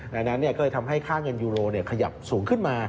ดังนั้นก็เลยทำให้ค่าเงินยูโรขยับสูงขึ้นมา